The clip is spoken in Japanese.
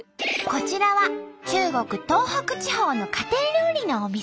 こちらは中国東北地方の家庭料理のお店。